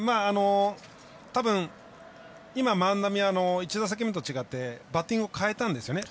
たぶん、今、万波は１打席目と違ってバッティングを変えたんですよね。